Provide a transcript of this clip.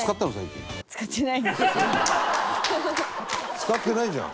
使ってないじゃん。